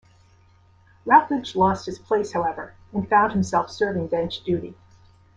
Routledge lost his place however and found himself serving bench duty.